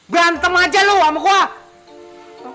berantem aja loh sama gue